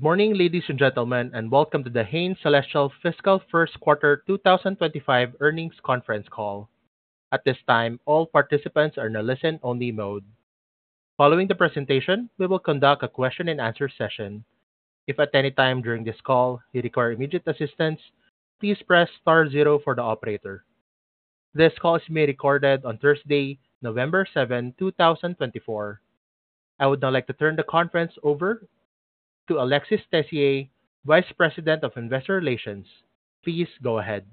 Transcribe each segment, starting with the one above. Good morning, ladies and gentlemen, and welcome to the Hain Celestial Fiscal First Quarter 2025 Earnings Conference Call. At this time, all participants are in a listen-only mode. Following the presentation, we will conduct a question-and-answer session. If at any time during this call you require immediate assistance, please press star zero for the operator. This call is being recorded on Thursday, November 7, 2024. I would now like to turn the conference over to Alexis Tessier, Vice President of Investor Relations. Please go ahead.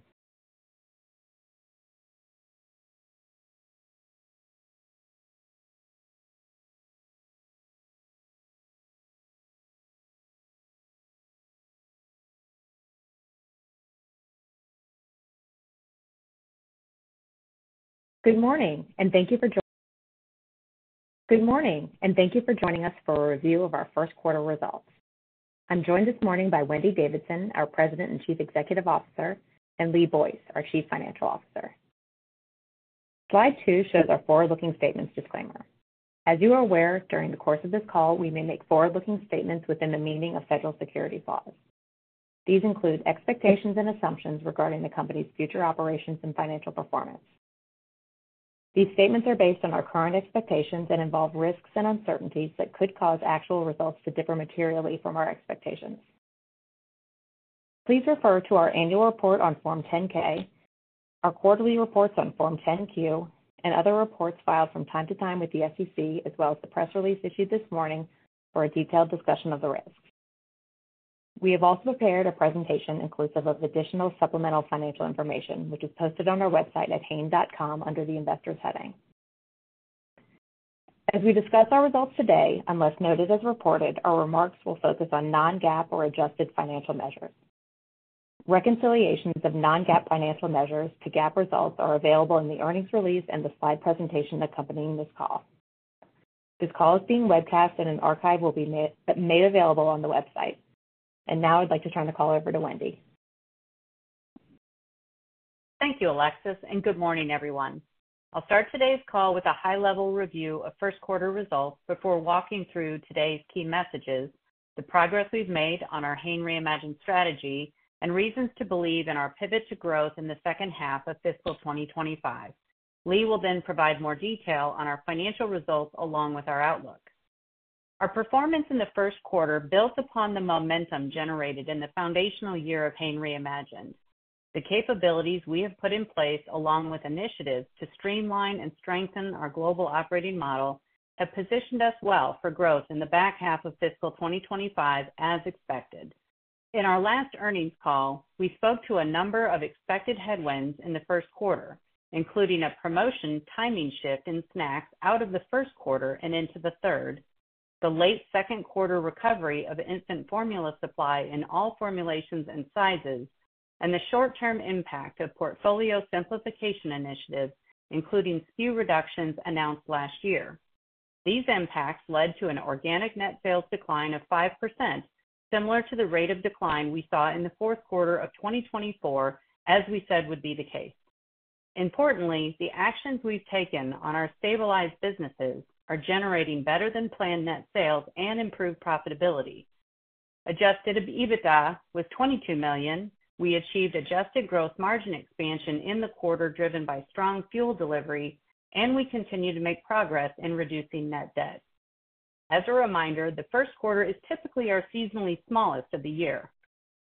Good morning, and thank you for joining us for a review of our first quarter results. I'm joined this morning by Wendy Davidson, our President and Chief Executive Officer, and Lee Boyce, our Chief Financial Officer. Slide 2 shows our forward-looking statements disclaimer. As you are aware, during the course of this call, we may make forward-looking statements within the meaning of federal securities laws. These include expectations and assumptions regarding the company's future operations and financial performance. These statements are based on our current expectations and involve risks and uncertainties that could cause actual results to differ materially from our expectations. Please refer to our annual report on Form 10-K, our quarterly reports on Form 10-Q, and other reports filed from time to time with the SEC, as well as the press release issued this morning for a detailed discussion of the risks. We have also prepared a presentation inclusive of additional supplemental financial information, which is posted on our website at hain.com under the Investors heading. As we discuss our results today, unless noted as reported, our remarks will focus on non-GAAP or adjusted financial measures. Reconciliations of non-GAAP financial measures to GAAP results are available in the earnings release and the slide presentation accompanying this call. This call is being webcast, and an archive will be made available on the website, and now I'd like to turn the call over to Wendy. Thank you, Alexis, and good morning, everyone. I'll start today's call with a high-level review of first quarter results before walking through today's key messages, the progress we've made on our Hain Reimagined strategy, and reasons to believe in our pivot to growth in the second half of fiscal 2025. Lee will then provide more detail on our financial results along with our outlook. Our performance in the first quarter built upon the momentum generated in the foundational year of Hain Reimagined. The capabilities we have put in place, along with initiatives to streamline and strengthen our global operating model, have positioned us well for growth in the back half of fiscal 2025, as expected. In our last earnings call, we spoke to a number of expected headwinds in the first quarter, including a promotion timing shift in snacks out of the first quarter and into the third, the late second quarter recovery of instant formula supply in all formulations and sizes, and the short-term impact of portfolio simplification initiatives, including SKU reductions announced last year. These impacts led to an organic net sales decline of 5%, similar to the rate of decline we saw in the fourth quarter of 2024, as we said would be the case. Importantly, the actions we've taken on our stabilized businesses are generating better than planned net sales and improved profitability. Adjusted EBITDA was $22 million. We achieved adjusted gross margin expansion in the quarter driven by strong fuel delivery, and we continue to make progress in reducing net debt. As a reminder, the first quarter is typically our seasonally smallest of the year.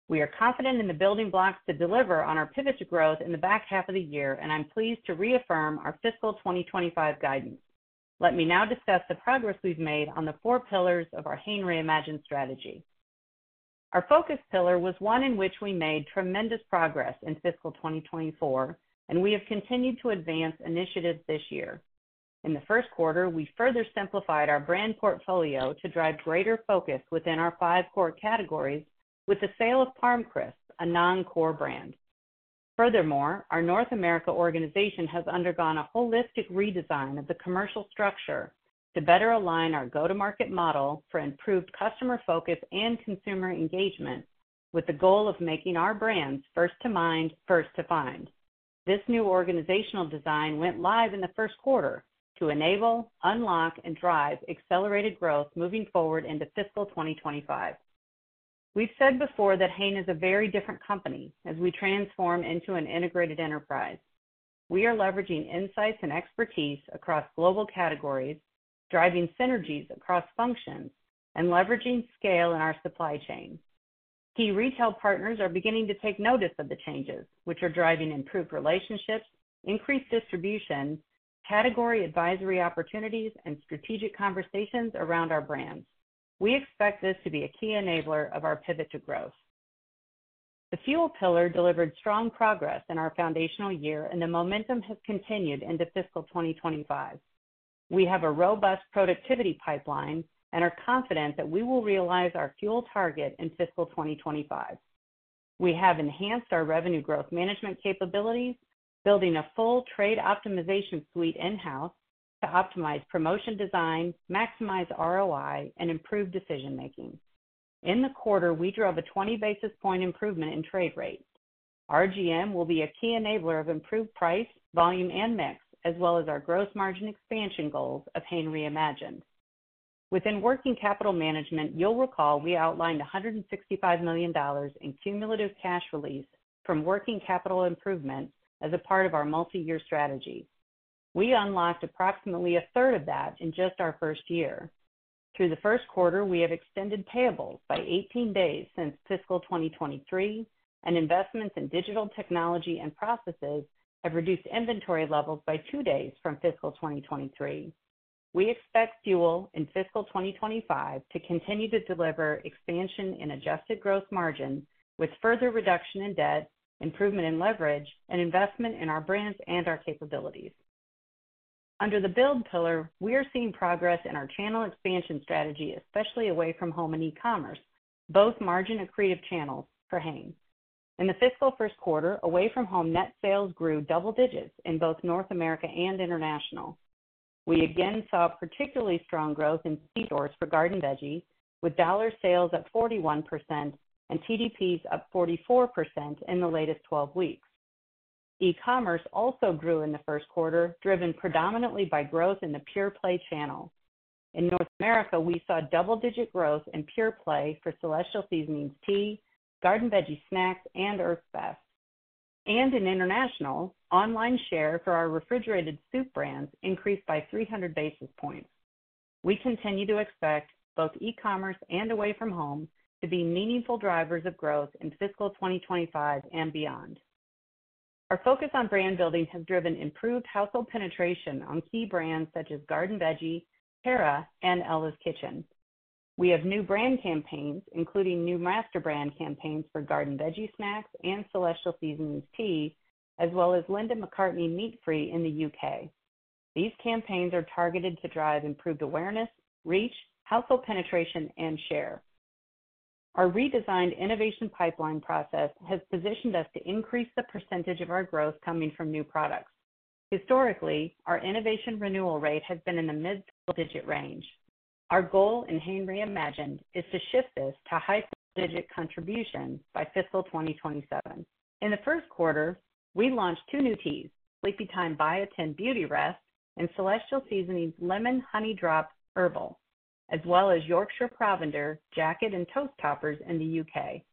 We are confident in the building blocks to deliver on our pivot to growth in the back half of the year, and I'm pleased to reaffirm our fiscal 2025 guidance. Let me now discuss the progress we've made on the four pillars of our Hain Reimagined strategy. Our focus pillar was one in which we made tremendous progress in fiscal 2024, and we have continued to advance initiatives this year. In the first quarter, we further simplified our brand portfolio to drive greater focus within our five core categories, with the sale of ParmCrisps, a non-core brand. Furthermore, our North America organization has undergone a holistic redesign of the commercial structure to better align our go-to-market model for improved customer focus and consumer engagement, with the goal of making our brands first to mind, first to find. This new organizational design went live in the first quarter to enable, unlock, and drive accelerated growth moving forward into fiscal 2025. We've said before that Hain is a very different company as we transform into an integrated enterprise. We are leveraging insights and expertise across global categories, driving synergies across functions, and leveraging scale in our supply chain. Key retail partners are beginning to take notice of the changes, which are driving improved relationships, increased distribution, category advisory opportunities, and strategic conversations around our brands. We expect this to be a key enabler of our pivot to growth. The fuel pillar delivered strong progress in our foundational year, and the momentum has continued into fiscal 2025. We have a robust productivity pipeline and are confident that we will realize our fuel target in fiscal 2025. We have enhanced our revenue growth management capabilities, building a full trade optimization suite in-house to optimize promotion design, maximize ROI, and improve decision-making. In the quarter, we drove a 20 basis point improvement in trade rates. RGM will be a key enabler of improved price, volume, and mix, as well as our gross margin expansion goals of Hain Reimagined. Within working capital management, you'll recall we outlined $165 million in cumulative cash release from working capital improvements as a part of our multi-year strategy. We unlocked approximately a third of that in just our first year. Through the first quarter, we have extended payables by 18 days since fiscal 2023, and investments in digital technology and processes have reduced inventory levels by two days from fiscal 2023. We expect FY25 to continue to deliver expansion in adjusted gross margins with further reduction in debt, improvement in leverage, and investment in our brands and our capabilities. Under the build pillar, we are seeing progress in our channel expansion strategy, especially away from home and e-commerce, both margin-accretive channels for Hain. In the fiscal first quarter, away from home, net sales grew double digits in both North America and International. We again saw particularly strong growth in C-store for Garden Veggie, with dollar sales at 41% and TDPs up 44% in the latest 12 weeks. E-commerce also grew in the first quarter, driven predominantly by growth in the pure play channel. In North America, we saw double-digit growth in pure play for Celestial Seasonings tea, Garden Veggie Snacks, and Earth's Best. And in International, online share for our refrigerated soup brands increased by 300 basis points. We continue to expect both e-commerce and away from home to be meaningful drivers of growth in fiscal 2025 and beyond. Our focus on brand building has driven improved household penetration on key brands such as Garden Veggie, Terra, and Ella's Kitchen. We have new brand campaigns, including new master brand campaigns for Garden Veggie Snacks and Celestial Seasonings tea, as well as Linda McCartney's meat-free in the U.K. These campaigns are targeted to drive improved awareness, reach, household penetration, and share. Our redesigned innovation pipeline process has positioned us to increase the percentage of our growth coming from new products. Historically, our innovation renewal rate has been in the mid-digit range. Our goal in Hain Reimagined is to shift this to high-digit contribution by fiscal 2027. In the first quarter, we launched two new teas, Sleepytime Biotin Beauty Rest and Celestial Seasonings Lemon Honey Drop Herbal, as well as Yorkshire Provender Jacket and Toast Toppers in the U.K..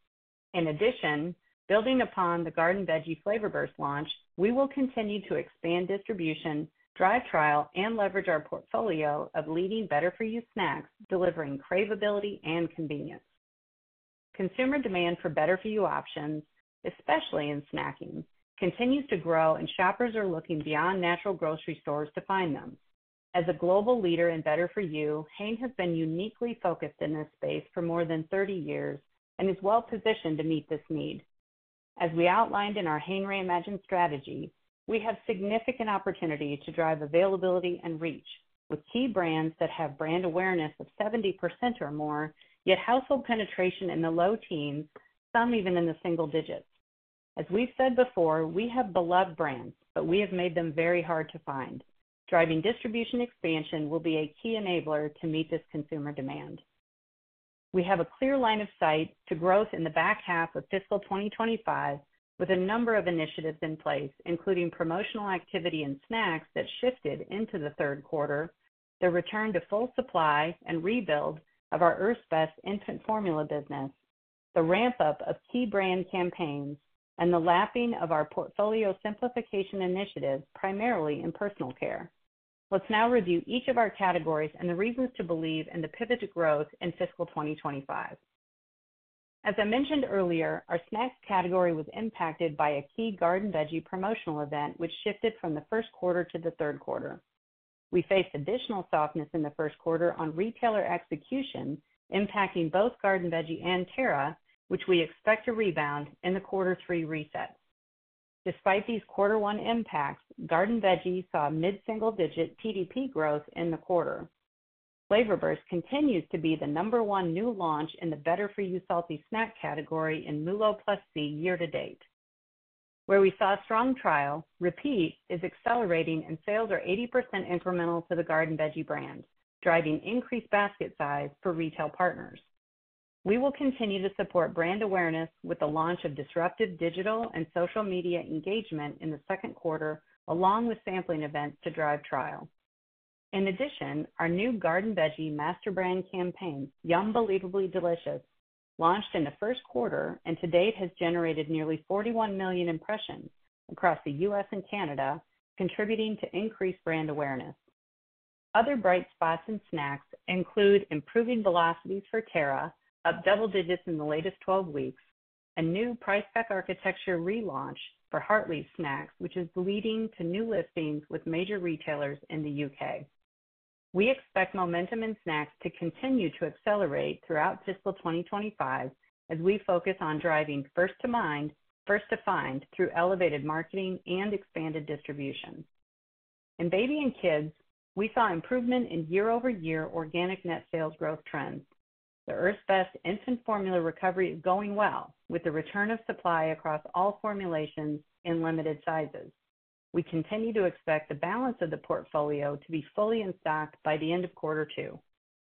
In addition, building upon the Garden Veggie Flavor Burst launch, we will continue to expand distribution, drive trial, and leverage our portfolio of leading better-for-you snacks, delivering craveability and convenience. Consumer demand for better-for-you options, especially in snacking, continues to grow, and shoppers are looking beyond natural grocery stores to find them. As a global leader in better-for-you, Hain has been uniquely focused in this space for more than 30 years and is well-positioned to meet this need. As we outlined in our Hain Reimagined strategy, we have significant opportunity to drive availability and reach with key brands that have brand awareness of 70% or more, yet household penetration in the low teens, some even in the single digits. As we've said before, we have beloved brands, but we have made them very hard to find. Driving distribution expansion will be a key enabler to meet this consumer demand. We have a clear line of sight to growth in the back half of fiscal 2025, with a number of initiatives in place, including promotional activity in snacks that shifted into the third quarter, the return to full supply and rebuild of our Earth's Best infant formula business, the ramp-up of key brand campaigns, and the lapping of our portfolio simplification initiatives, primarily in personal care. Let's now review each of our categories and the reasons to believe in the pivot to growth in fiscal 2025. As I mentioned earlier, our snacks category was impacted by a key garden veggie promotional event, which shifted from the first quarter to the third quarter. We faced additional softness in the first quarter on retailer execution, impacting both garden veggie and Terra, which we expect to rebound in the quarter three reset. Despite these quarter one impacts, garden veggie saw mid-single digit TDP growth in the quarter. Flavor Burst continues to be the number one new launch in the better-for-you salty snack category in MULO+C year to date, where we saw strong trial. Repeat is accelerating, and sales are 80% incremental to the garden veggie brand, driving increased basket size for retail partners. We will continue to support brand awareness with the launch of disruptive digital and social media engagement in the second quarter, along with sampling events to drive trial. In addition, our new garden veggie master brand campaign, Yum-Believably Delicious, launched in the first quarter and to date has generated nearly 41 million impressions across the U.S. and Canada, contributing to increased brand awareness. Other bright spots in snacks include improving velocities for Terra, up double digits in the latest 12 weeks, a new price pack architecture relaunch for Hartley's Snacks, which is leading to new listings with major retailers in the U.K. We expect momentum in snacks to continue to accelerate throughout fiscal 2025 as we focus on driving first to mind, first to find through elevated marketing and expanded distribution. In baby and kids, we saw improvement in year-over-year organic net sales growth trends. The Earth's Best infant formula recovery is going well with the return of supply across all formulations in limited sizes. We continue to expect the balance of the portfolio to be fully in stock by the end of quarter two.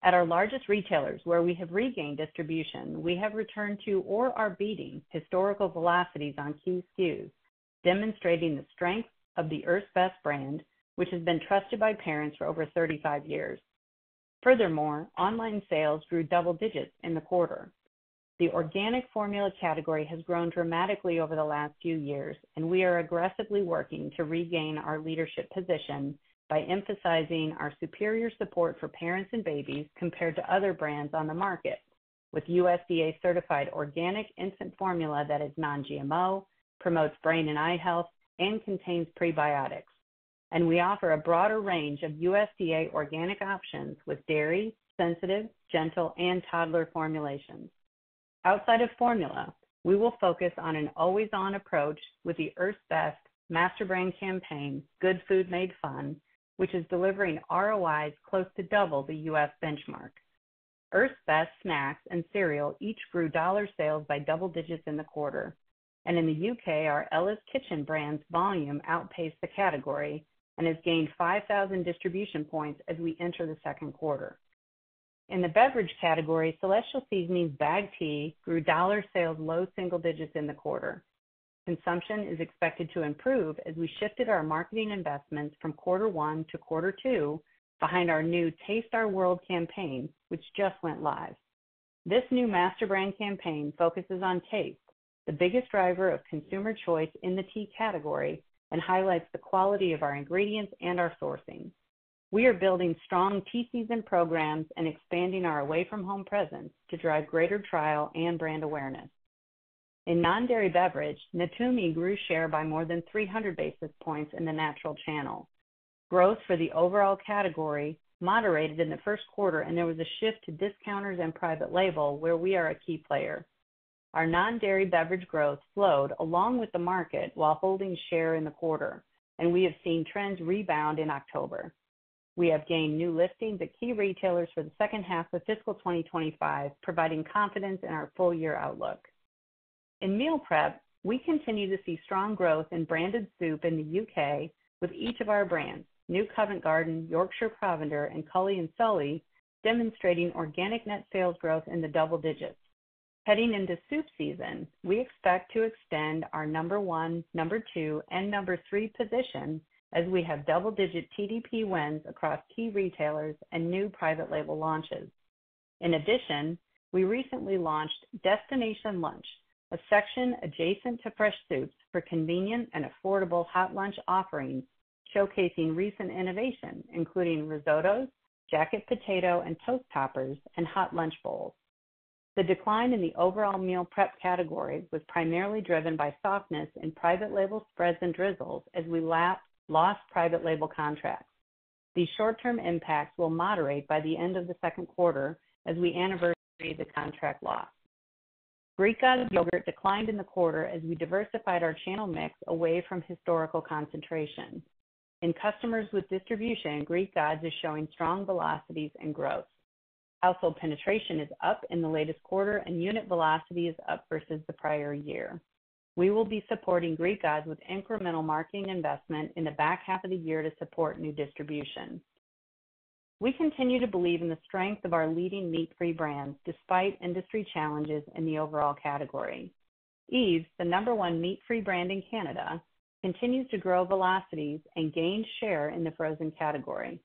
At our largest retailers, where we have regained distribution, we have returned to or are beating historical velocities on key SKUs, demonstrating the strength of the Earth's Best brand, which has been trusted by parents for over 35 years. Furthermore, online sales grew double digits in the quarter. The organic formula category has grown dramatically over the last few years, and we are aggressively working to regain our leadership position by emphasizing our superior support for parents and babies compared to other brands on the market, with USDA-certified organic infant formula that is non-GMO, promotes brain and eye health, and contains prebiotics. We offer a broader range of USDA organic options with dairy, sensitive, gentle, and toddler formulations. Outside of formula, we will focus on an always-on approach with the Earth's Best master brand campaign, Good Food Made Fun, which is delivering ROIs close to double the U.S. benchmark. Earth's Best snacks and cereal each grew dollar sales by double digits in the quarter. In the U.K., our Ella's Kitchen brand's volume outpaced the category and has gained 5,000 distribution points as we enter the second quarter. In the beverage category, Celestial Seasonings bagged tea grew dollar sales low single digits in the quarter. Consumption is expected to improve as we shifted our marketing investments from quarter one to quarter two behind our new Taste Our World campaign, which just went live. This new master brand campaign focuses on taste, the biggest driver of consumer choice in the tea category, and highlights the quality of our ingredients and our sourcing. We are building strong tea season programs and expanding our away from home presence to drive greater trial and brand awareness. In non-dairy beverage, Natumi grew share by more than 300 basis points in the natural channel. Growth for the overall category moderated in the first quarter, and there was a shift to discounters and private label, where we are a key player. Our non-dairy beverage growth flowed along with the market while holding share in the quarter, and we have seen trends rebound in October. We have gained new listings at key retailers for the second half of fiscal 2025, providing confidence in our full year outlook. In meal prep, we continue to see strong growth in branded soup in the U.K. with each of our brands, New Covent Garden, Yorkshire Provender, and Cully & Sully, demonstrating organic net sales growth in the double digits. Heading into soup season, we expect to extend our number one, number two, and number three position as we have double-digit TDP wins across key retailers and new private label launches. In addition, we recently launched Destination Lunch, a section adjacent to fresh soups for convenient and affordable hot lunch offerings, showcasing recent innovation, including risottos, jacket potato, and toast toppers, and hot lunch bowls. The decline in the overall meal prep category was primarily driven by softness in private label spreads and drizzles as we lost private label contracts. These short-term impacts will moderate by the end of the second quarter as we anniversary the contract loss. Greek Gods yogurt declined in the quarter as we diversified our channel mix away from historical concentration. In customers with distribution, Greek Gods is showing strong velocities and growth. Household penetration is up in the latest quarter, and unit velocity is up versus the prior year. We will be supporting Greek Gods with incremental marketing investment in the back half of the year to support new distribution. We continue to believe in the strength of our leading meat-free brands despite industry challenges in the overall category. Yves Veggie Cuisine, the number one meat-free brand in Canada, continues to grow velocities and gain share in the frozen category.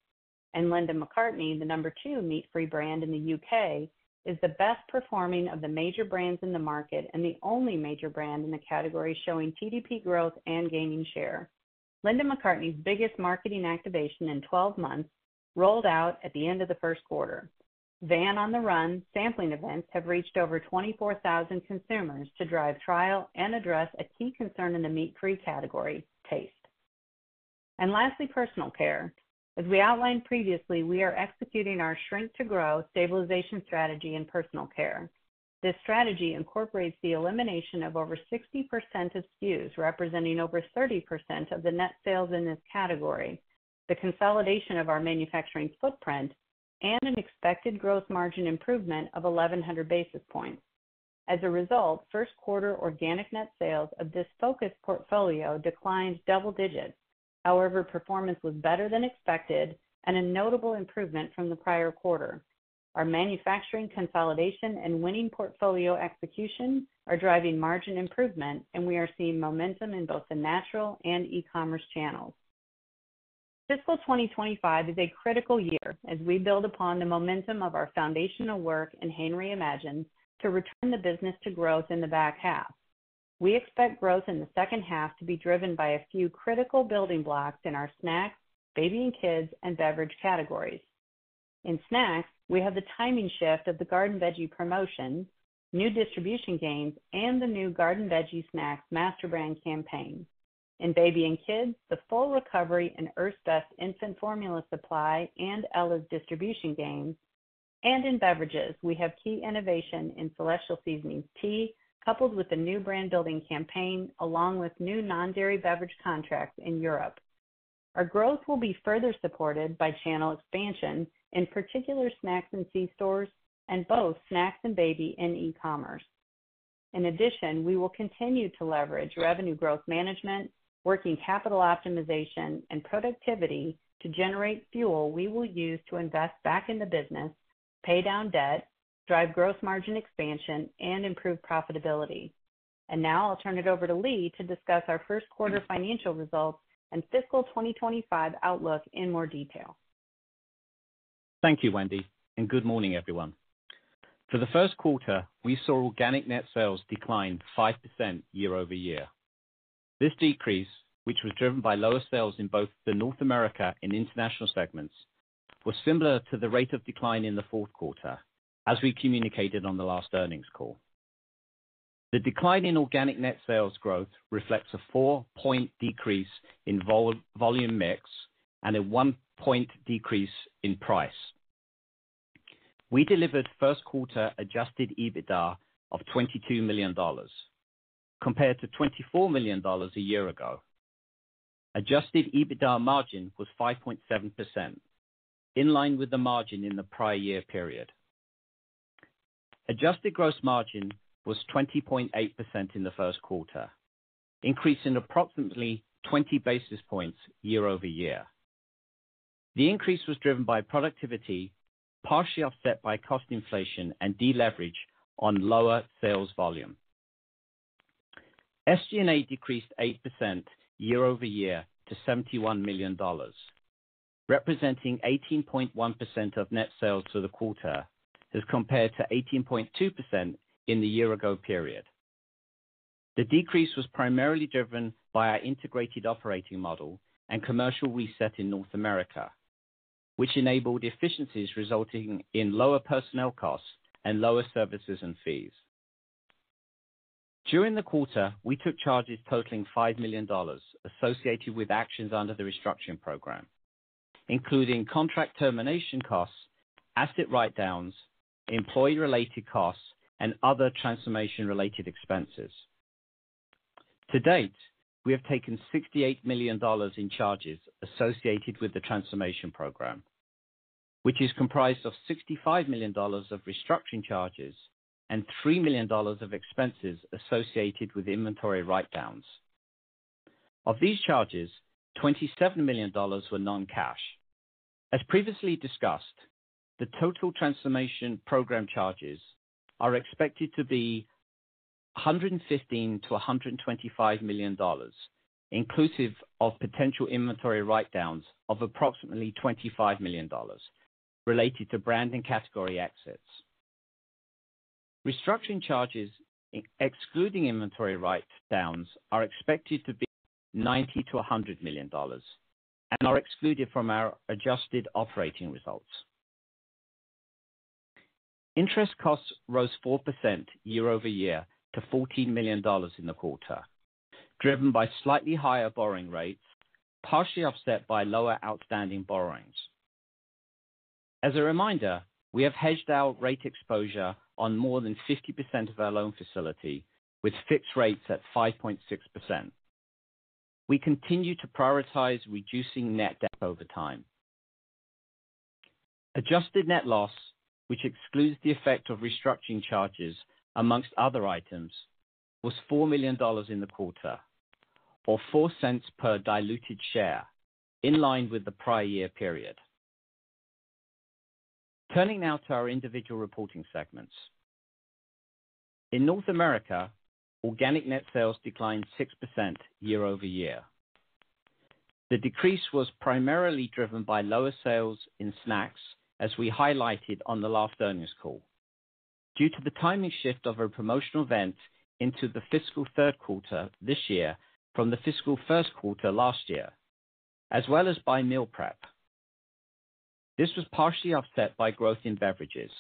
Linda McCartney's, the number two meat-free brand in the U.K., is the best performing of the major brands in the market and the only major brand in the category showing TDP growth and gaining share. Linda McCartney's biggest marketing activation in 12 months rolled out at the end of the first quarter. Van on the Run sampling events have reached over 24,000 consumers to drive trial and address a key concern in the meat-free category, taste. And lastly, personal care. As we outlined previously, we are executing our shrink-to-grow stabilization strategy in personal care. This strategy incorporates the elimination of over 60% of SKUs representing over 30% of the net sales in this category, the consolidation of our manufacturing footprint, and an expected gross margin improvement of 1,100 basis points. As a result, first quarter organic net sales of this focused portfolio declined double digits. However, performance was better than expected and a notable improvement from the prior quarter. Our manufacturing consolidation and winning portfolio execution are driving margin improvement, and we are seeing momentum in both the natural and e-commerce channels. Fiscal 2025 is a critical year as we build upon the momentum of our foundational work in Hain Reimagined to return the business to growth in the back half. We expect growth in the second half to be driven by a few critical building blocks in our snacks, baby and kids, and beverage categories. In snacks, we have the timing shift of the garden veggie promotion, new distribution gains, and the new garden veggie snacks master brand campaign. In baby and kids, the full recovery in Earth's Best infant formula supply and Ella's distribution gains. And in beverages, we have key innovation in Celestial Seasonings tea coupled with a new brand-building campaign, along with new non-dairy beverage contracts in Europe. Our growth will be further supported by channel expansion in particular snacks and C-stores and both snacks and baby in e-commerce. In addition, we will continue to leverage revenue growth management, working capital optimization, and productivity to generate fuel we will use to invest back in the business, pay down debt, drive gross margin expansion, and improve profitability. And now I'll turn it over to Lee to discuss our first quarter financial results and fiscal 2025 outlook in more detail. Thank you, Wendy, and good morning, everyone. For the first quarter, we saw organic net sales decline 5% year over year. This decrease, which was driven by lower sales in both the North America and International segments, was similar to the rate of decline in the fourth quarter, as we communicated on the last earnings call. The decline in organic net sales growth reflects a four-point decrease in volume mix and a one-point decrease in price. We delivered first quarter adjusted EBITDA of $22 million compared to $24 million a year ago. Adjusted EBITDA margin was 5.7%, in line with the margin in the prior year period. Adjusted gross margin was 20.8% in the first quarter, increasing approximately 20 basis points year over year. The increase was driven by productivity, partially offset by cost inflation and deleverage on lower sales volume. SG&A decreased 8% year over year to $71 million, representing 18.1% of net sales for the quarter as compared to 18.2% in the year-ago period. The decrease was primarily driven by our integrated operating model and commercial reset in North America, which enabled efficiencies resulting in lower personnel costs and lower services and fees. During the quarter, we took charges totaling $5 million associated with actions under the restructuring program, including contract termination costs, asset write-downs, employee-related costs, and other transformation-related expenses. To date, we have taken $68 million in charges associated with the transformation program, which is comprised of $65 million of restructuring charges and $3 million of expenses associated with inventory write-downs. Of these charges, $27 million were non-cash. As previously discussed, the total transformation program charges are expected to be $115-$125 million, inclusive of potential inventory write-downs of approximately $25 million related to brand and category exits. Restructuring charges excluding inventory write-downs are expected to be $90-$100 million and are excluded from our adjusted operating results. Interest costs rose 4% year over year to $14 million in the quarter, driven by slightly higher borrowing rates, partially offset by lower outstanding borrowings. As a reminder, we have hedged our rate exposure on more than 50% of our loan facility with fixed rates at 5.6%. We continue to prioritize reducing net debt over time. Adjusted net loss, which excludes the effect of restructuring charges among other items, was $4 million in the quarter, or $0.04 per diluted share, in line with the prior year period. Turning now to our individual reporting segments. In North America, organic net sales declined 6% year over year. The decrease was primarily driven by lower sales in snacks, as we highlighted on the last earnings call, due to the timing shift of a promotional event into the fiscal third quarter this year from the fiscal first quarter last year, as well as by meal prep. This was partially offset by growth in beverages.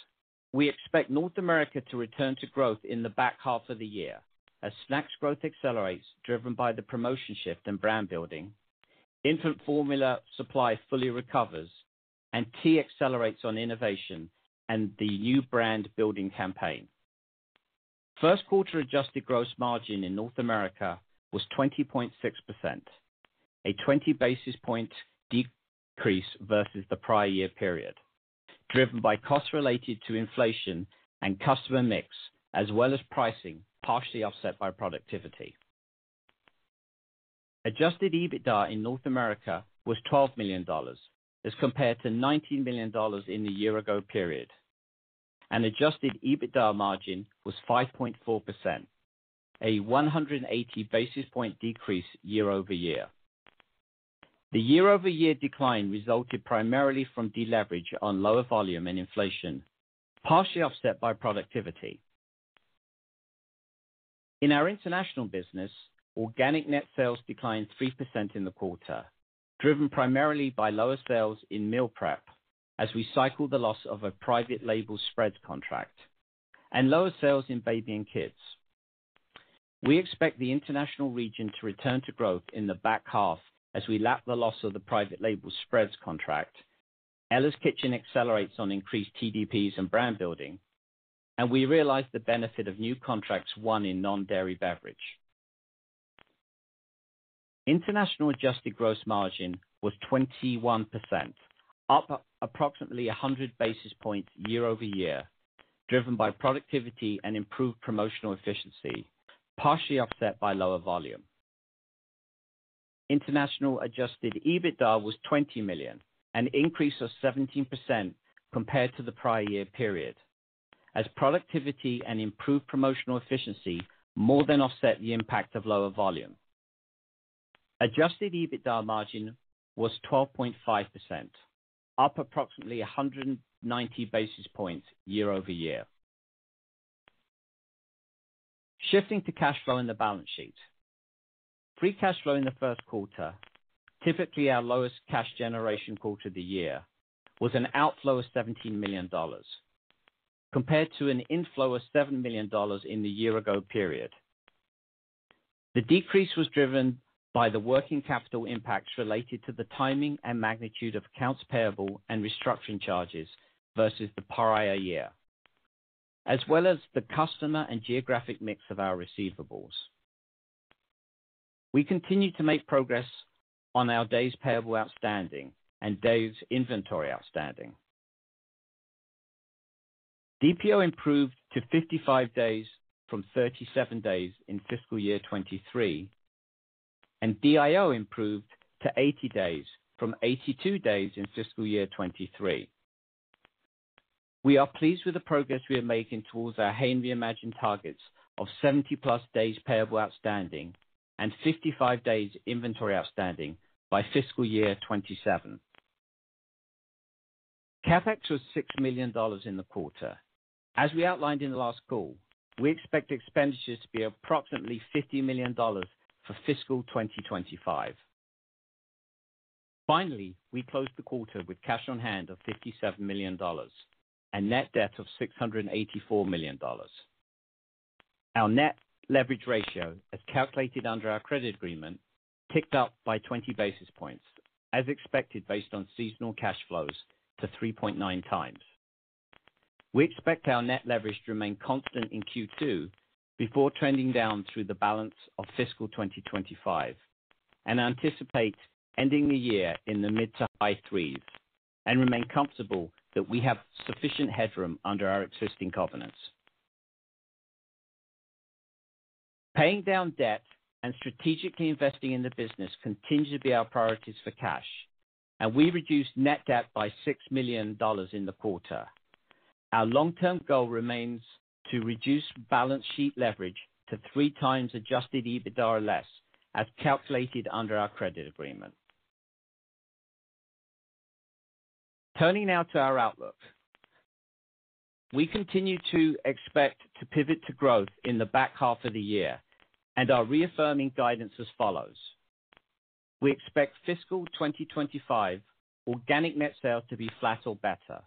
We expect North America to return to growth in the back half of the year as snacks growth accelerates, driven by the promotion shift and brand building, infant formula supply fully recovers, and tea accelerates on innovation and the new brand-building campaign. First quarter adjusted gross margin in North America was 20.6%, a 20 basis point decrease versus the prior year period, driven by costs related to inflation and customer mix, as well as pricing, partially offset by productivity. Adjusted EBITDA in North America was $12 million as compared to $19 million in the year-ago period. Adjusted EBITDA margin was 5.4%, a 180 basis point decrease year over year. The year-over-year decline resulted primarily from deleverage on lower volume and inflation, partially offset by productivity. In our international business, organic net sales declined 3% in the quarter, driven primarily by lower sales in meal prep as we cycled the loss of a private label spreads contract and lower sales in baby and kids. We expect the international region to return to growth in the back half as we lap the loss of the private label spreads contract, Ella's Kitchen accelerates on increased TDPs and brand building, and we realize the benefit of new contracts won in non-dairy beverage. International adjusted gross margin was 21%, up approximately 100 basis points year over year, driven by productivity and improved promotional efficiency, partially offset by lower volume. International adjusted EBITDA was $20 million, an increase of 17% compared to the prior year period, as productivity and improved promotional efficiency more than offset the impact of lower volume. Adjusted EBITDA margin was 12.5%, up approximately 190 basis points year over year. Shifting to cash flow in the balance sheet. Free cash flow in the first quarter, typically our lowest cash generation quarter of the year, was an outflow of $17 million compared to an inflow of $7 million in the year-ago period. The decrease was driven by the working capital impacts related to the timing and magnitude of accounts payable and restructuring charges versus the prior year, as well as the customer and geographic mix of our receivables. We continue to make progress on our days payable outstanding and days inventory outstanding. DPO improved to 55 days from 37 days in fiscal year 2023, and DIO improved to 80 days from 82 days in fiscal year 2023. We are pleased with the progress we are making towards our Hain Reimagined targets of 70-plus days payable outstanding and 55 days inventory outstanding by fiscal year 2027. CapEx was $6 million in the quarter. As we outlined in the last call, we expect expenditures to be approximately $50 million for fiscal 2025. Finally, we closed the quarter with cash on hand of $57 million and net debt of $684 million. Our net leverage ratio, as calculated under our credit agreement, ticked up by 20 basis points, as expected based on seasonal cash flows, to 3.9 times. We expect our net leverage to remain constant in Q2 before trending down through the balance of fiscal 2025 and anticipate ending the year in the mid to high threes and remain comfortable that we have sufficient headroom under our existing covenants. Paying down debt and strategically investing in the business continue to be our priorities for cash, and we reduced net debt by $6 million in the quarter. Our long-term goal remains to reduce balance sheet leverage to three times Adjusted EBITDA or less, as calculated under our credit agreement. Turning now to our outlook. We continue to expect to pivot to growth in the back half of the year and are reaffirming guidance as follows. We expect Fiscal 2025 organic net sales to be flat or better,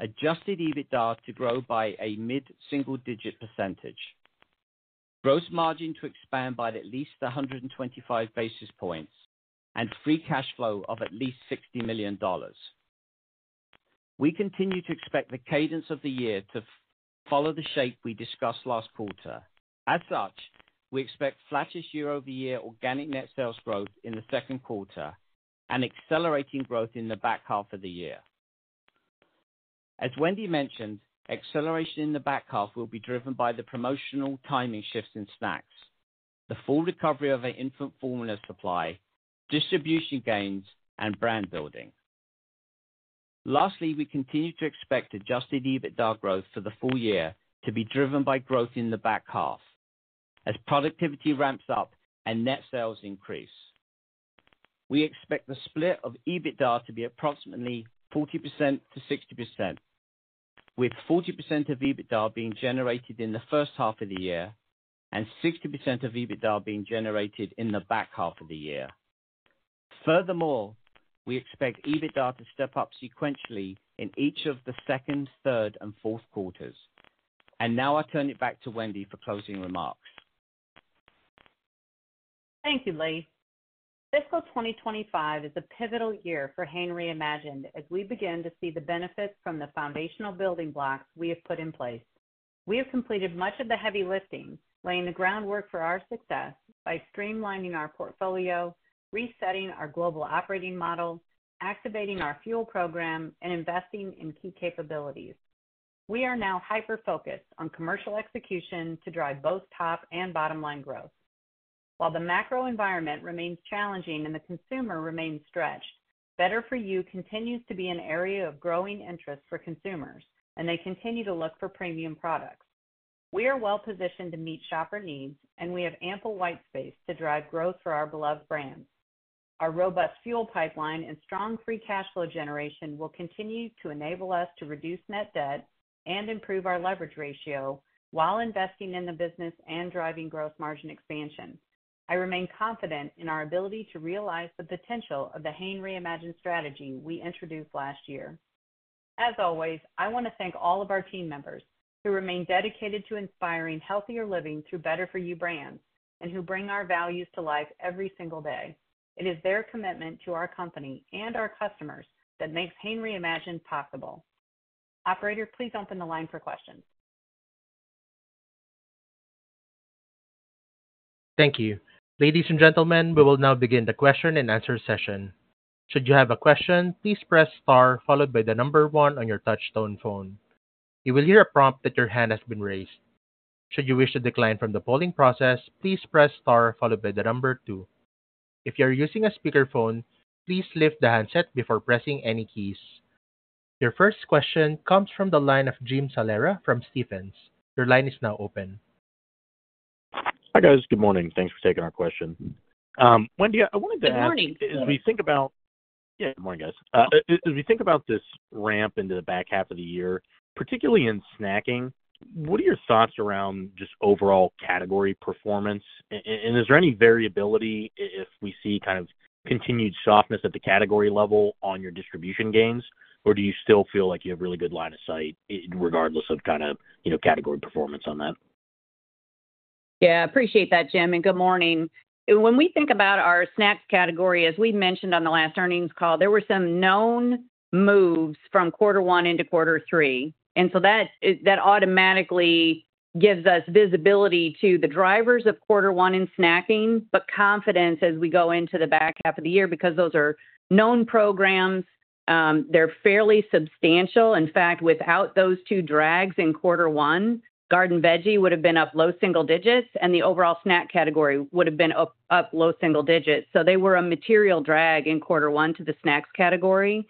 Adjusted EBITDA to grow by a mid-single-digit percentage, gross margin to expand by at least 125 basis points, and Free Cash Flow of at least $60 million. We continue to expect the cadence of the year to follow the shape we discussed last quarter. As such, we expect flattest year-over-year organic net sales growth in the second quarter and accelerating growth in the back half of the year. As Wendy mentioned, acceleration in the back half will be driven by the promotional timing shifts in snacks, the full recovery of infant formula supply, distribution gains, and brand building. Lastly, we continue to expect Adjusted EBITDA growth for the full year to be driven by growth in the back half as productivity ramps up and net sales increase. We expect the split of EBITDA to be approximately 40% to 60%, with 40% of EBITDA being generated in the first half of the year and 60% of EBITDA being generated in the back half of the year. Furthermore, we expect EBITDA to step up sequentially in each of the second, third, and fourth quarters, and now I turn it back to Wendy for closing remarks. Thank you, Lee. Fiscal 2025 is a pivotal year for Hain Reimagined as we begin to see the benefits from the foundational building blocks we have put in place. We have completed much of the heavy lifting, laying the groundwork for our success by streamlining our portfolio, resetting our global operating model, activating our fuel program, and investing in key capabilities. We are now hyper-focused on commercial execution to drive both top and bottom-line growth. While the macro environment remains challenging and the consumer remains stretched, better for you continues to be an area of growing interest for consumers, and they continue to look for premium products. We are well-positioned to meet shopper needs, and we have ample white space to drive growth for our beloved brands. Our robust fuel pipeline and strong free cash flow generation will continue to enable us to reduce net debt and improve our leverage ratio while investing in the business and driving gross margin expansion. I remain confident in our ability to realize the potential of the Hain Reimagined strategy we introduced last year. As always, I want to thank all of our team members who remain dedicated to inspiring healthier living through better-for-you brands and who bring our values to life every single day. It is their commitment to our company and our customers that makes Hain Reimagined possible. Operator, please open the line for questions. Thank you. Ladies and gentlemen, we will now begin the question and answer session. Should you have a question, please press star followed by the number one on your touch-tone phone. You will hear a prompt that your hand has been raised. Should you wish to decline from the polling process, please press star followed by the number two. If you are using a speakerphone, please lift the handset before pressing any keys. Your first question comes from the line of Jim Salera from Stephens. Your line is now open. Hi guys, good morning. Thanks for taking our question. Wendy, I wanted to ask as we think about this ramp into the back half of the year, particularly in snacking, what are your thoughts around just overall category performance? And is there any variability if we see kind of continued softness at the category level on your distribution gains, or do you still feel like you have a really good line of sight regardless of kind of category performance on that? Yeah, I appreciate that, Jim. And good morning. When we think about our snacks category, as we mentioned on the last earnings call, there were some known moves from quarter one into quarter three, and so that automatically gives us visibility to the drivers of quarter one in snacking, but confidence as we go into the back half of the year because those are known programs. They're fairly substantial. In fact, without those two drags in quarter one, Garden Veggie would have been up low single digits, and the overall snack category would have been up low single digits, so they were a material drag in quarter one to the snacks category.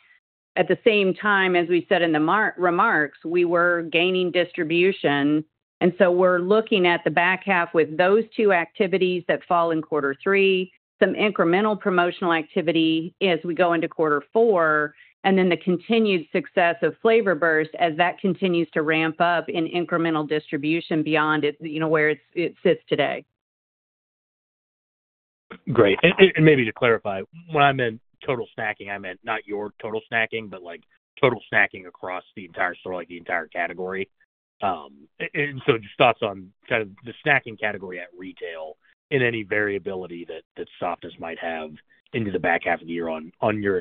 At the same time, as we said in the remarks, we were gaining distribution. And so we're looking at the back half with those two activities that fall in quarter three, some incremental promotional activity as we go into quarter four, and then the continued success of Flavor Burst as that continues to ramp up in incremental distribution beyond where it sits today. Great. And maybe to clarify, when I meant total snacking, I meant not your total snacking, but total snacking across the entire store, like the entire category. And so just thoughts on kind of the snacking category at retail and any variability that softness might have into the back half of the year on your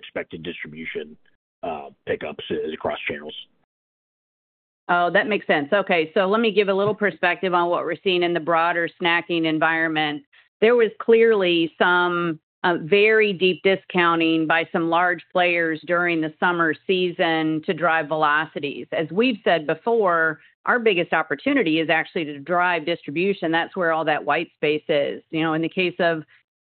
expected distribution pickups across channels. Oh, that makes sense. Okay. So let me give a little perspective on what we're seeing in the broader snacking environment. There was clearly some very deep discounting by some large players during the summer season to drive velocities. As we've said before, our biggest opportunity is actually to drive distribution. That's where all that white space is. In the case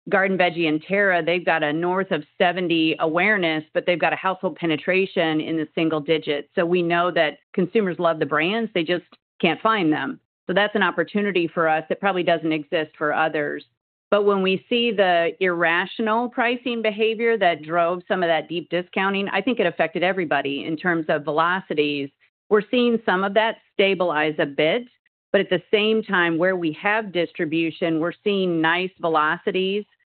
of Garden Veggie and Terra, they've got a north of 70 awareness, but they've got a household penetration in the single digits. So we know that consumers love the brands. They just can't find them. So that's an opportunity for us that probably doesn't exist for others. But when we see the irrational pricing behavior that drove some of that deep discounting, I think it affected everybody in terms of velocities. We're seeing some of that stabilize a bit, but at the same time, where we have distribution, we're seeing nice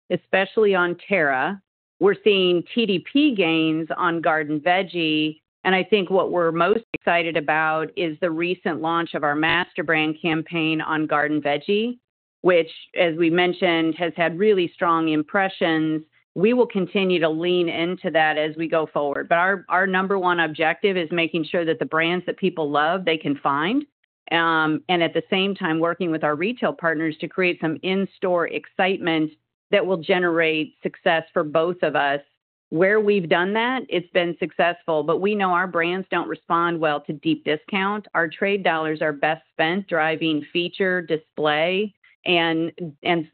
velocities, especially on Terra. We're seeing TDP gains on Garden Veggie. I think what we're most excited about is the recent launch of our master brand campaign on Garden Veggie, which, as we mentioned, has had really strong impressions. We will continue to lean into that as we go forward. Our number one objective is making sure that the brands that people love, they can find. At the same time, working with our retail partners to create some in-store excitement that will generate success for both of us. Where we've done that, it's been successful, but we know our brands don't respond well to deep discount. Our trade dollars are best spent driving feature, display, and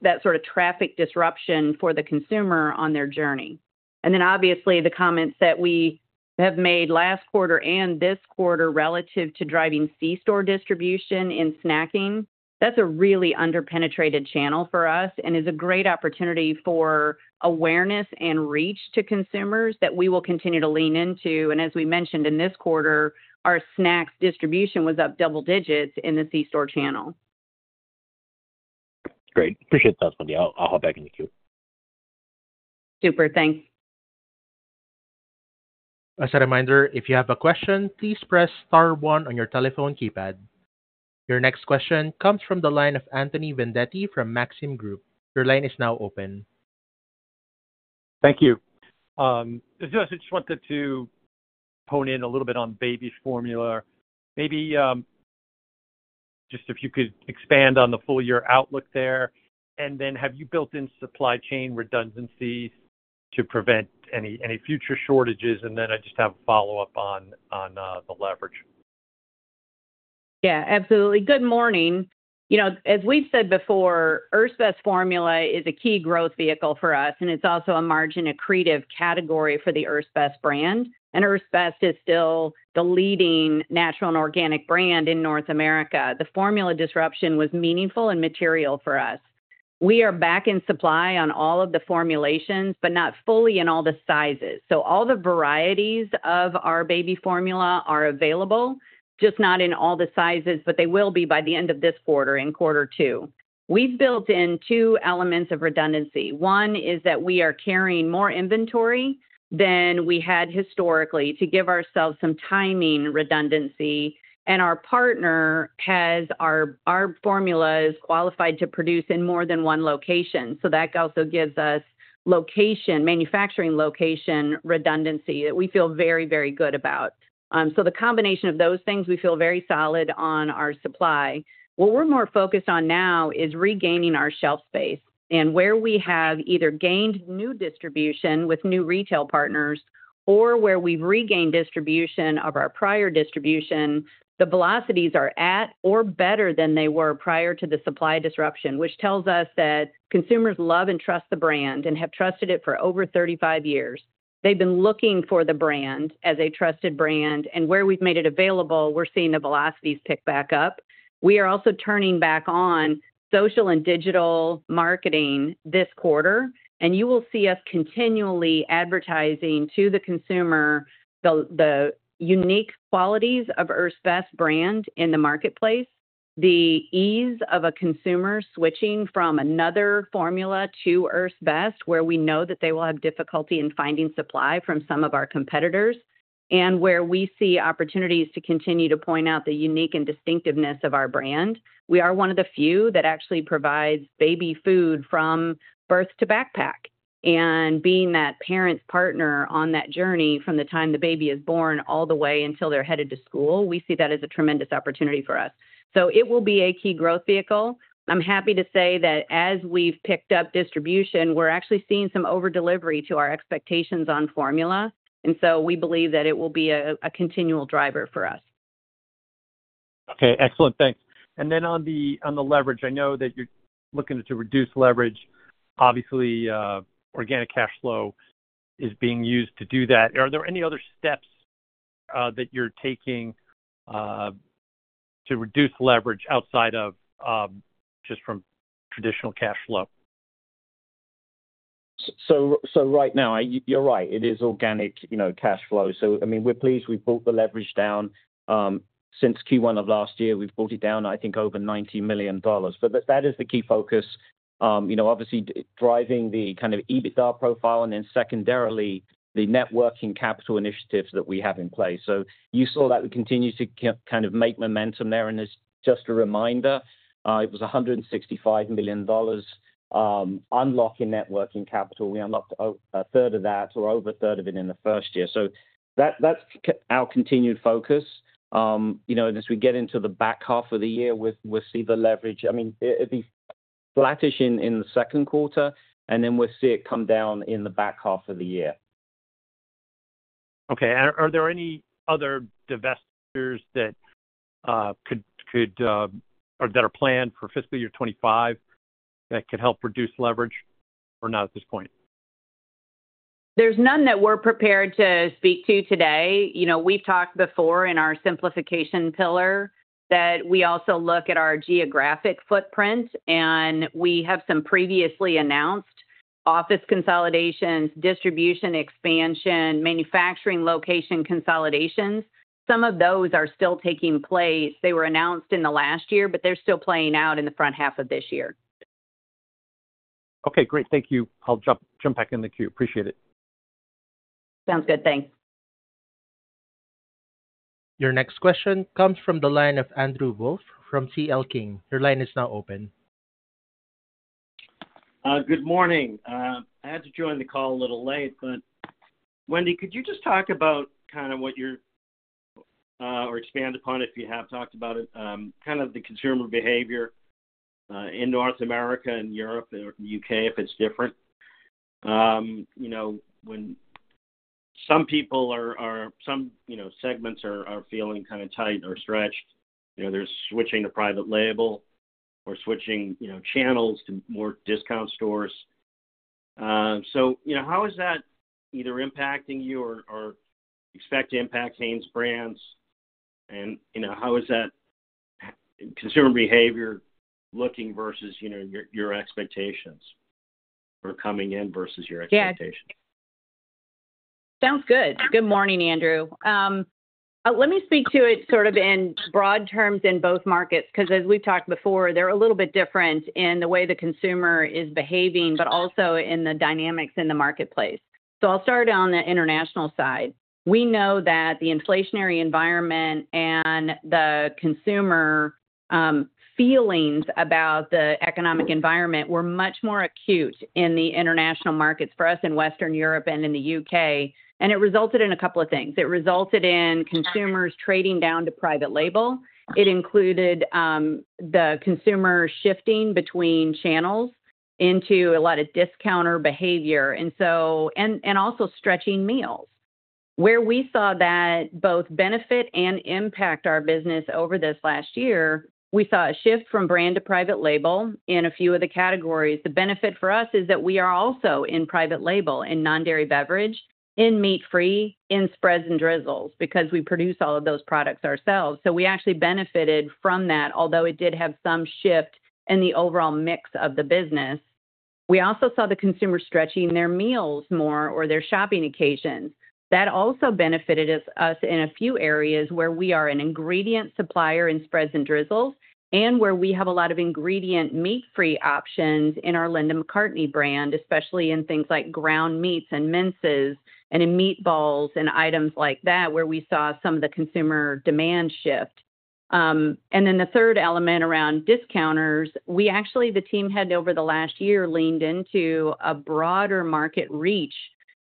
that sort of traffic disruption for the consumer on their journey. And then, obviously, the comments that we have made last quarter and this quarter relative to driving C-store distribution in snacking, that's a really underpenetrated channel for us and is a great opportunity for awareness and reach to consumers that we will continue to lean into. And as we mentioned in this quarter, our snacks distribution was up double digits in the C-store channel. Great. Appreciate the thoughts, Wendy. I'll hop back in the queue. Super. Thanks. As a reminder, if you have a question, please press star one on your telephone keypad. Your next question comes from the line of Anthony Vendetti from Maxim Group. Your line is now open. Thank you. I just wanted to hone in a little bit on baby formula. Maybe just if you could expand on the full year outlook there. Have you built in supply chain redundancies to prevent any future shortages? I just have a follow-up on the leverage. Yeah, absolutely. Good morning. As we've said before, Earth's Best formula is a key growth vehicle for us, and it's also a margin accretive category for the Earth's Best brand. Earth's Best is still the leading natural and organic brand in North America. The formula disruption was meaningful and material for us. We are back in supply on all of the formulations, but not fully in all the sizes. All the varieties of our baby formula are available, just not in all the sizes, but they will be by the end of this quarter and quarter two. We've built in two elements of redundancy. One is that we are carrying more inventory than we had historically to give ourselves some timing redundancy. Our partner has our formulas qualified to produce in more than one location. That also gives us location, manufacturing location redundancy that we feel very, very good about. The combination of those things, we feel very solid on our supply. What we're more focused on now is regaining our shelf space. Where we have either gained new distribution with new retail partners or where we've regained distribution of our prior distribution, the velocities are at or better than they were prior to the supply disruption, which tells us that consumers love and trust the brand and have trusted it for over 35 years. They've been looking for the brand as a trusted brand. Where we've made it available, we're seeing the velocities pick back up. We are also turning back on social and digital marketing this quarter. You will see us continually advertising to the consumer the unique qualities of Earth's Best brand in the marketplace, the ease of a consumer switching from another formula to Earth's Best, where we know that they will have difficulty in finding supply from some of our competitors, and where we see opportunities to continue to point out the unique and distinctiveness of our brand. We are one of the few that actually provides baby food from birth to backpack. Being that parent's partner on that journey from the time the baby is born all the way until they're headed to school, we see that as a tremendous opportunity for us. It will be a key growth vehicle. I'm happy to say that as we've picked up distribution, we're actually seeing some overdelivery to our expectations on formula. And so we believe that it will be a continual driver for us. Okay. Excellent. Thanks. And then on the leverage, I know that you're looking to reduce leverage. Obviously, organic cash flow is being used to do that. Are there any other steps that you're taking to reduce leverage outside of just from traditional cash flow? So right now, you're right. It is organic cash flow. So I mean, we're pleased. We've brought the leverage down. Since Q1 of last year, we've brought it down, I think, over $90 million. But that is the key focus, obviously, driving the kind of EBITDA profile and then secondarily the working capital initiatives that we have in place. So you saw that we continue to kind of make momentum there. And just a reminder, it was $165 million unlocking working capital. We unlocked a third of that or over a third of it in the first year. So that's our continued focus. As we get into the back half of the year, we'll see the leverage, I mean, at least flattish in the second quarter, and then we'll see it come down in the back half of the year. Okay. Are there any other divestitures that could or that are planned for fiscal year 2025 that could help reduce leverage or not at this point? There's none that we're prepared to speak to today. We've talked before in our simplification pillar that we also look at our geographic footprint, and we have some previously announced office consolidations, distribution expansion, manufacturing location consolidations. Some of those are still taking place. They were announced in the last year, but they're still playing out in the front half of this year. Okay. Great. Thank you. I'll jump back in the queue. Appreciate it. Sounds good. Thanks. Your next question comes from the line of Andrew Wolf from CL King. Your line is now open. Good morning. I had to join the call a little late, but Wendy, could you just talk about kind of what you're seeing or expand upon if you have talked about it, kind of the consumer behavior in North America and Europe or the U.K., if it's different? When some people or some segments are feeling kind of tight or stretched, they're switching to private label or switching channels to more discount stores. So how is that either impacting you or expected to impact Hain's brands? And how is that consumer behavior looking versus your expectations or coming in versus your expectations? Yeah. Sounds good. Good morning, Andrew. Let me speak to it sort of in broad terms in both markets because as we've talked before, they're a little bit different in the way the consumer is behaving, but also in the dynamics in the marketplace. So I'll start on the international side. We know that the inflationary environment and the consumer feelings about the economic environment were much more acute in the international markets for us in Western Europe and in the U.K.. And it resulted in a couple of things. It resulted in consumers trading down to private label. It included the consumer shifting between channels into a lot of discounter behavior and also stretching meals. Where we saw that both benefit and impact our business over this last year, we saw a shift from brand to private label in a few of the categories. The benefit for us is that we are also in private label in non-dairy beverage, in meat-free, in spreads and drizzles because we produce all of those products ourselves. So we actually benefited from that, although it did have some shift in the overall mix of the business. We also saw the consumer stretching their meals more or their shopping occasions. That also benefited us in a few areas where we are an ingredient supplier in spreads and drizzles and where we have a lot of ingredient meat-free options in our Linda McCartney's brand, especially in things like ground meats and minces and in meatballs and items like that where we saw some of the consumer demand shift. Then the third element around discounters, we actually, the team had over the last year leaned into a broader market reach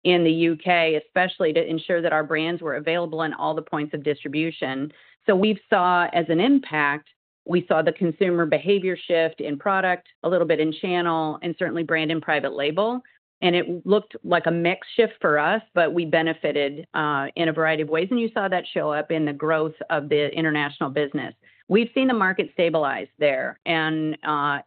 in the U.K., especially to ensure that our brands were available in all the points of distribution. We've saw as an impact, we saw the consumer behavior shift in product, a little bit in channel, and certainly brand and private label. It looked like a mixed shift for us, but we benefited in a variety of ways. You saw that show up in the growth of the international business. We've seen the market stabilize there and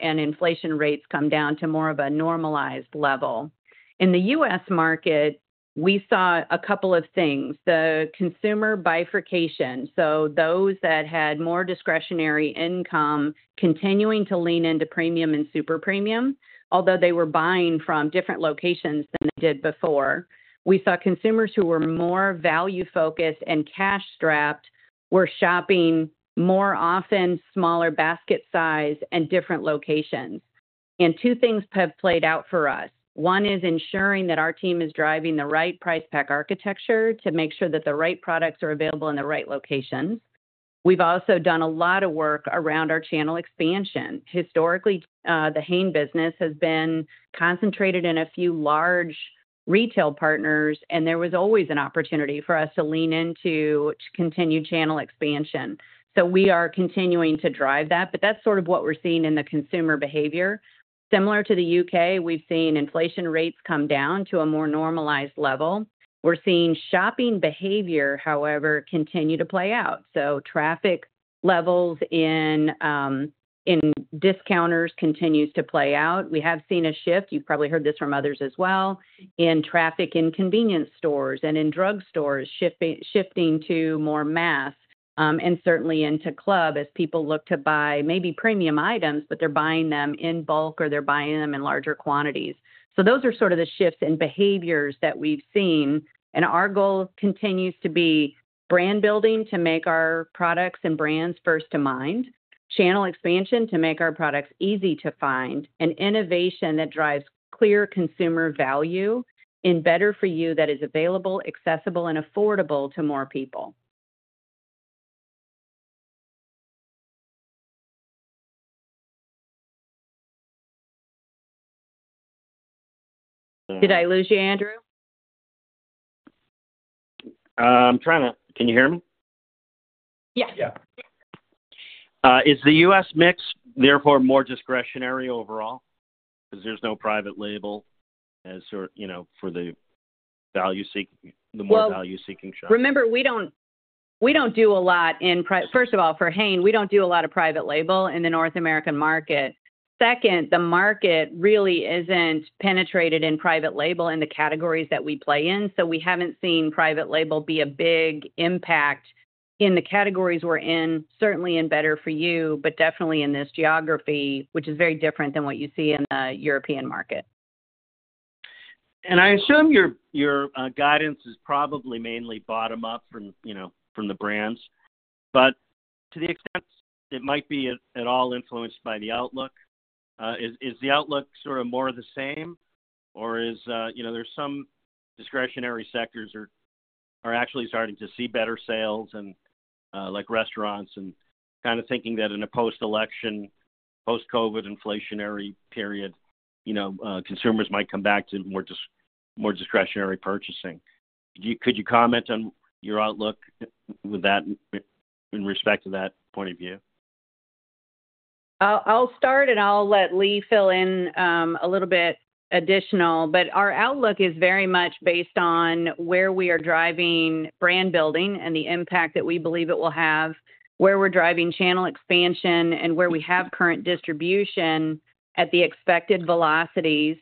inflation rates come down to more of a normalized level. In the U.S. market, we saw a couple of things. The consumer bifurcation, so those that had more discretionary income continuing to lean into premium and super premium, although they were buying from different locations than they did before. We saw consumers who were more value-focused and cash-strapped were shopping more often, smaller basket size, and different locations. And two things have played out for us. One is ensuring that our team is driving the right Price Pack Architecture to make sure that the right products are available in the right locations. We've also done a lot of work around our channel expansion. Historically, the Hain business has been concentrated in a few large retail partners, and there was always an opportunity for us to lean into continued channel expansion. So we are continuing to drive that, but that's sort of what we're seeing in the consumer behavior. Similar to the U.K., we've seen inflation rates come down to a more normalized level. We're seeing shopping behavior, however, continue to play out. So traffic levels in discounters continue to play out. We have seen a shift. You've probably heard this from others as well in traffic, in convenience stores and in drugstores shifting to more mass and certainly into club as people look to buy maybe premium items, but they're buying them in bulk or they're buying them in larger quantities. So those are sort of the shifts in behaviors that we've seen. And our goal continues to be brand building to make our products and brands first to mind, channel expansion to make our products easy to find, and innovation that drives clear consumer value in better for you that is available, accessible, and affordable to more people. Did I lose you, Andrew? I'm trying to - can you hear me? Yes. Yeah. Is the U.S. mix, therefore, more discretionary overall because there's no private label for the value-seeking, the more value-seeking shop? Remember, we don't do a lot in, first of all, for Hain, we don't do a lot of private label in the North American market. Second, the market really isn't penetrated in private label in the categories that we play in. So we haven't seen private label be a big impact in the categories we're in, certainly in better for you, but definitely in this geography, which is very different than what you see in the European market. And I assume your guidance is probably mainly bottom-up from the brands. But to the extent it might be at all influenced by the outlook, is the outlook sort of more of the same? Or is there some discretionary sectors that are actually starting to see better sales and restaurants and kind of thinking that in a post-election, post-COVID inflationary period, consumers might come back to more discretionary purchasing? Could you comment on your outlook in respect to that point of view? I'll start, and I'll let Lee fill in a little bit additional. But our outlook is very much based on where we are driving brand building and the impact that we believe it will have, where we're driving channel expansion and where we have current distribution at the expected velocities,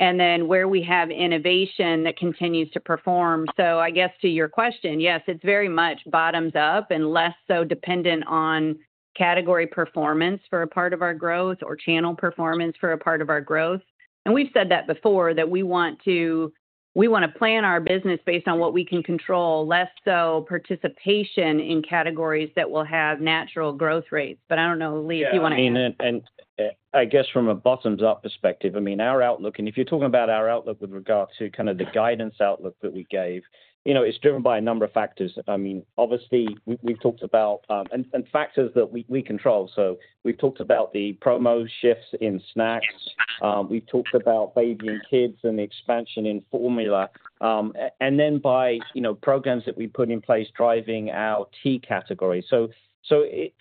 and then where we have innovation that continues to perform. So I guess to your question, yes, it's very much bottoms-up and less so dependent on category performance for a part of our growth or channel performance for a part of our growth. And we've said that before, that we want to plan our business based on what we can control, less so participation in categories that will have natural growth rates. But I don't know, Lee, if you want to add anything. Yeah. I mean, and I guess from a bottoms-up perspective, I mean, our outlook, and if you're talking about our outlook with regard to kind of the guidance outlook that we gave, it's driven by a number of factors. I mean, obviously, we've talked about, and factors that we control. So we've talked about the promo shifts in snacks. We've talked about baby and kids and the expansion in formula. And then buy programs that we put in place driving our tea category. So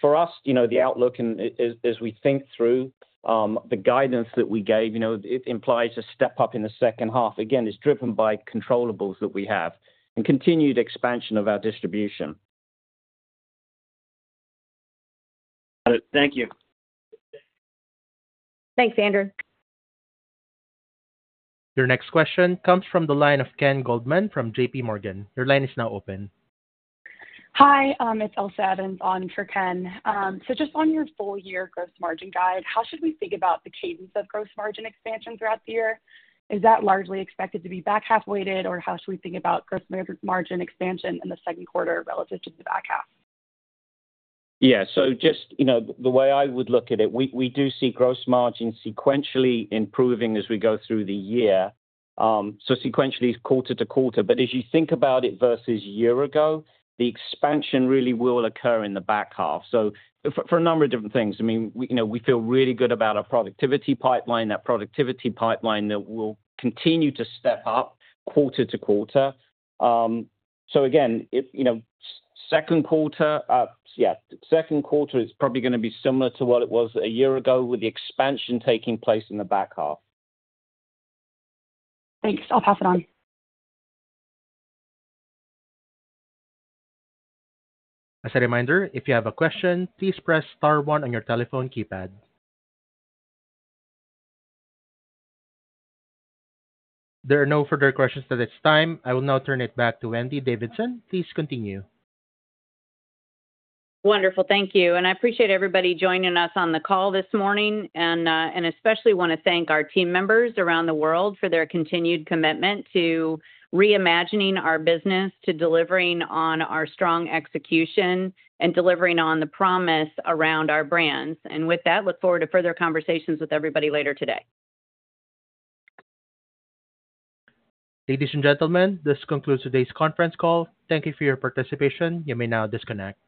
for us, the outlook, as we think through the guidance that we gave, it implies a step up in the second half. Again, it's driven by controllables that we have and continued expansion of our distribution. Got it. Thank you. Thanks, Andrew. Your next question comes from the line of Ken Goldman from JPMorgan. Your line is now open. Hi. It's Elsa Evans on for Ken. So just on your full-year gross margin guide, how should we think about the cadence of gross margin expansion throughout the year? Is that largely expected to be back half-weighted, or how should we think about gross margin expansion in the second quarter relative to the back half? Yeah. So just the way I would look at it, we do see gross margin sequentially improving as we go through the year. So sequentially is quarter to quarter. But as you think about it versus a year ago, the expansion really will occur in the back half. So for a number of different things. I mean, we feel really good about our productivity pipeline, that productivity pipeline that will continue to step up quarter to quarter. So again, second quarter, yeah, second quarter is probably going to be similar to what it was a year ago with the expansion taking place in the back half. Thanks. I'll pass it on. As a reminder, if you have a question, please press star one on your telephone keypad. There are no further questions at this time. I will now turn it back to Wendy Davidson. Please continue. Wonderful. Thank you. And I appreciate everybody joining us on the call this morning. And especially want to thank our team members around the world for their continued commitment to reimagining our business, to delivering on our strong execution, and delivering on the promise around our brands. And with that, look forward to further conversations with everybody later today. Ladies and gentlemen, this concludes today's conference call. Thank you for your participation. You may now disconnect.